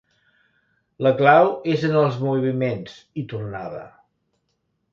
La clau és en els moviments —hi tornava—.